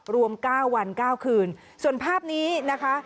รวมเก้าวันเก้าคืนส่วนภาพนี้นะคะ